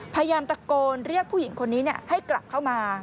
พยายามตะโกนเรียกผู้หญิงคนนี้ให้กลับเข้ามา